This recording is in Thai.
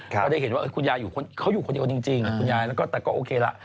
เขาได้เห็นว่าคุณยายเขาอยู่คนเดียวจริงแต่ก็โอเคละ